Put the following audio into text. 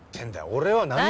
俺は何も。